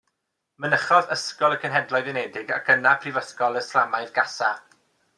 Mynychodd ysgol y Cenhedloedd Unedig ac yna Prifysgol Islamaidd Gasa.